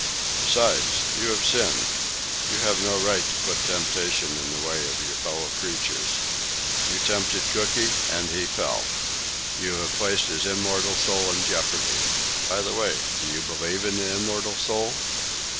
Besides, you have sinned. You have no right to put temptation in the way of your fellow creatures. You tempted Cooky, and he fell. You have placed his immortal soul in jeopardy. By the way, do you believe in the immortal soul?"